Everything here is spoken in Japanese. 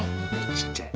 ちっちゃい。